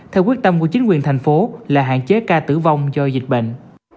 theo quyết tâm của chính quyền thành phố là hạn chế ca tử vong do dịch bệnh